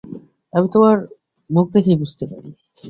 আমি তোমার মুখ দেখেই বুঝতে পারি।